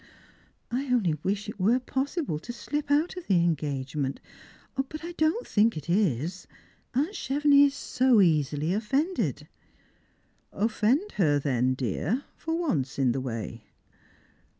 " I only wish it were possible to slip out of the engagement; but I don't think it is ; aunt Chevenix is so easily ofiended." " Offend her then, dear, for once in the way."